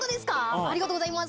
ありがとうございます。